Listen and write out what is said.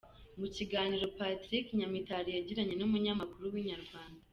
Mu kiganiro Patrick Nyamitari yagiranye n’umunyamakuru wa Inyarwanda.